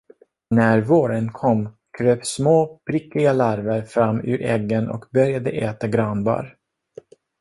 När våren kom, kröp små prickiga larver fram ur äggen och började äta granbarr.